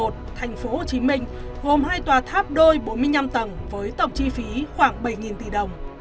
thành phố hồ chí minh gồm hai tòa tháp đôi bốn mươi năm tầng với tổng chi phí khoảng bảy tỷ đồng